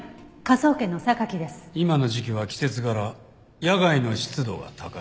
今の時期は季節柄野外の湿度が高い。